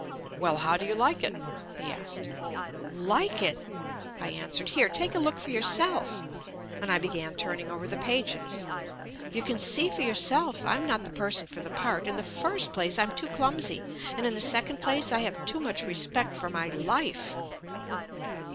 "Well, how do you like it?" he asked. "Like it!" I answered. "Here, take a look for yourself," and I began turning over the pages. "You can see for yourself I'm not the person for the part. In the first place, I'm too clumsy, and in the second place I have too much respect for my life."